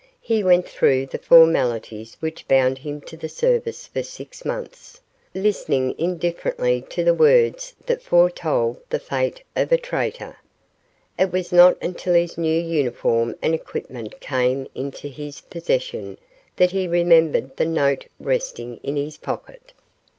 He went through the formalities which bound him to the service for six months, listening indifferently to the words that foretold the fate of a traitor. It was not until his hew uniform and equipment came into his possession that he remembered the note resting in his pocket.